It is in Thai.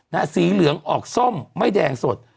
สีเหลืองออกส้มไม่แดงสด